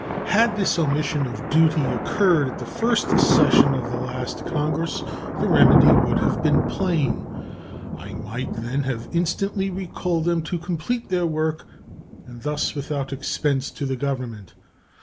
Had this omission of duty occurred at the first session of the last Congress, the remedy would have been plain. I might then have instantly recalled them to complete their work, and this without expense to the Government.